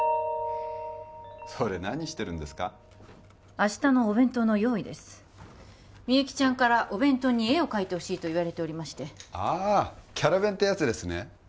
明日のお弁当の用意ですみゆきちゃんから「お弁当に絵を描いてほしい」と言われておりましてああキャラ弁ってやつですね